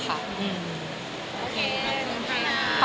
โอเคขอบคุณค่ะ